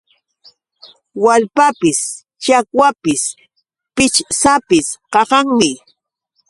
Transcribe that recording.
Waalpapis, chakwapis, pichwsapis qaqanmi.